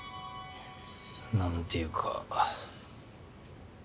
何ていうか。